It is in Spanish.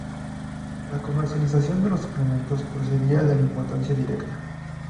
La comercialización de los suplementos procedía de la importación directa.